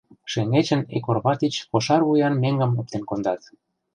Шеҥгечын ик орва тич кошар вуян меҥгым оптен кондат.